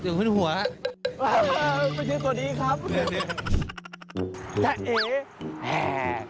เป็นชื่อสวดีครับ